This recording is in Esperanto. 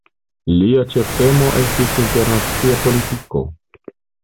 Lia ĉeftemo estis internacia politiko.